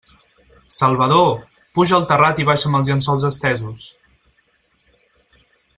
Salvador, puja al terrat i baixa'm els llençols estesos!